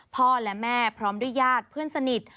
พ่อและแม่พร้อมด้วยญาติเพื่อนสนิท